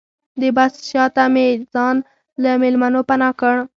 د بس شاته مې ځان له مېلمنو پناه کړ.